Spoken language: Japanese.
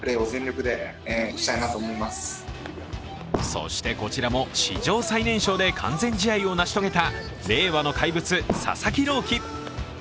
そして、こちらも史上最年少で完全試合を成し遂げた令和の怪物・佐々木朗希。